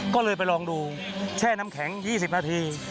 ก็เลยไปลองดูแช่น้ำแข็ง๒๐นาที